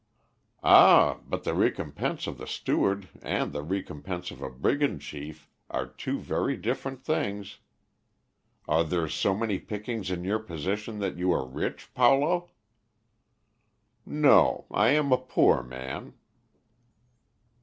"Ah, but the recompense of the steward and the recompense of a brigand chief are two very different things. Are there so many pickings in your position that you are rich, Paulo?" "No; I am a poor man."